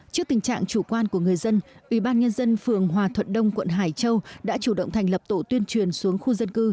trước tình trạng chủ quan của người dân ủy ban nhân dân phường hòa thuận đông quận hải châu đã chủ động thành lập tổ tuyên truyền xuống khu dân cư